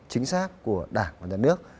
chính xác của đảng và nhà nước